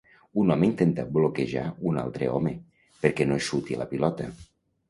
Un home intenta bloquejar un altre home perquè no xuti la pilota.